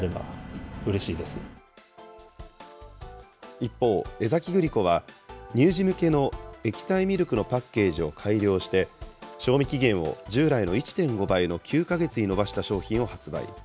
一方、江崎グリコは、乳児向けの液体ミルクのパッケージを改良して、賞味期限を従来の１．５倍の９か月に伸ばした商品を発売。